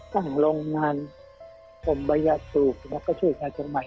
สร้างโรงงานภรรยาสูรและช่วยชายจังใหม่